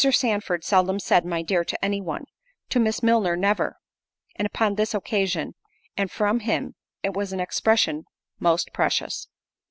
Sandford seldom said "my dear" to any one; to Miss Milner never; and upon this occasion, and from him, it was an expression most precious.